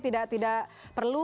tidak ada diperlukan